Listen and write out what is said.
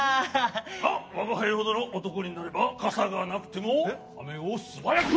まあわがはいほどのおとこになればかさがなくてもあめをすばやく。